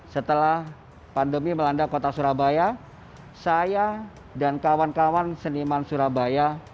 setelah pandemi melanda kota surabaya saya dan kawan kawan seniman surabaya